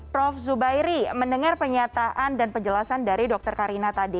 prof zubairi mendengar pernyataan dan penjelasan dari dr karina tadi